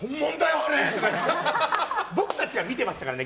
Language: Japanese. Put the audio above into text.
僕たちは見てましたからね。